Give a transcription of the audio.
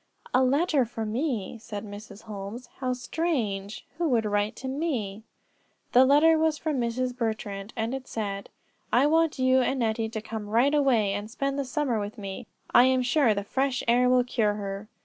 "A letter for me!" said Mrs. Holmes. "How strange! Who would write to me?" The letter was from Mrs. Bertrand, and it said: "I want you and Nettie to come right away and spend the summer with me. I am sure the fresh air will cure her."